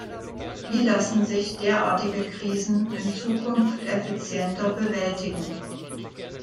Wie lassen sich derartige Krisen in Zukunft effizienter bewältigen?